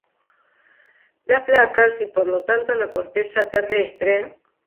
las placas y... por lo tanto la corteza terrestre...